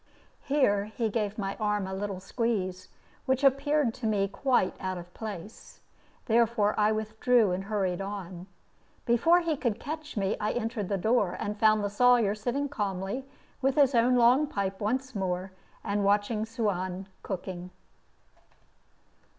Here he gave my arm a little squeeze, which appeared to me quite out of place; therefore I withdrew and hurried on. Before he could catch me I entered the door, and found the Sawyer sitting calmly with his own long pipe once more, and watching Suan cooking.